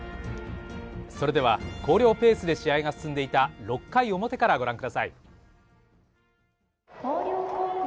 それでは広陵ペースで試合が進んでいた６回表からご覧下さい。